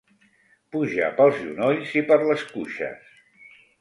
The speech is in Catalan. Puja pels genolls i per les cuixes.